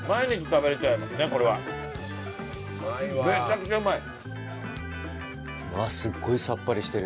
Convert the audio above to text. めちゃくちゃうまい！